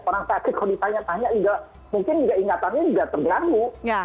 orang sakit kalau ditanya tanya mungkin ingatannya juga terlalu